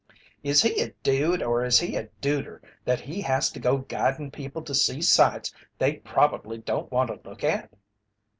"Is he a dude or is he a duder that he has to go guidin' people to see sights they prob'ly don't want to look at?"